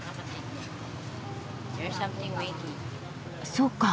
そうか。